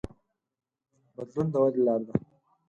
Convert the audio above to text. بدلون د ودې لار ده.